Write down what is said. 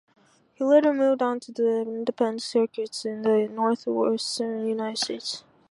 He later moved on to the independent circuits in the Northwestern United States.